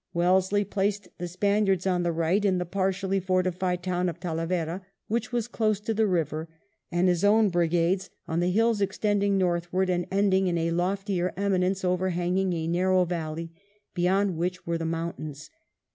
Wellesley placed the Spaniards on the right, in the partially forti fied town of Talavera, which was close to the river, and his own brigades on the hills extending northward, and ending in a loftier eminence overhanging a narrow valley beyond which were the mountains.